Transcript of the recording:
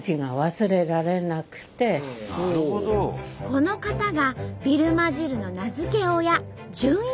この方がビルマ汁の名付け親